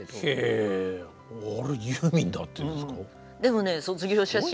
へぇあれユーミンだっていうんですか。